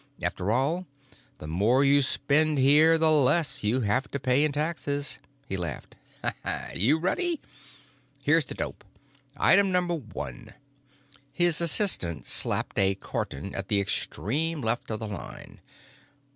After all, the more you spend here the less you have to pay in taxes," he laughed. "You ready? Here's the dope. Item Number One——" His assistant slapped a carton at the extreme left of the line.